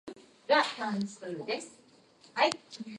One person survived the crash in critical condition.